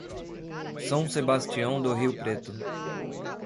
São Sebastião do Rio Preto